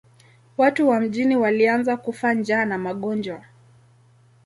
Watu wa mjini walianza kufa njaa na magonjwa.